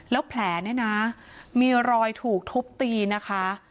แล้วแผลเนี่ยนะมีรอยถูกทุบตีนะคะ